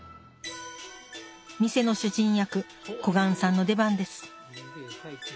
店の主人役小雁さんの出番です